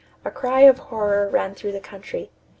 A cry of horror ran through the country.